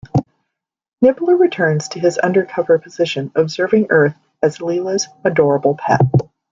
Nibbler returns to his undercover position observing Earth as Leela's adorable pet.